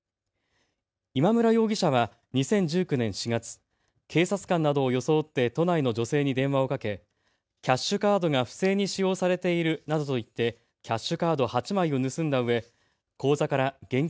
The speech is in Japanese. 今村容疑者は２０１９年４月、警察官などを装って都内の女性に電話をかけ、キャッシュカードが不正に使用されているなどと言ってキャッシュカード８枚を盗んだうえ口座から現金